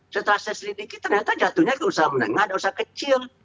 setelah saya selidiki ternyata jatuhnya ke usaha menengah dan usaha kecil